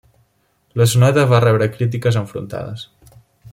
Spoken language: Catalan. La sonata va rebre crítiques enfrontades.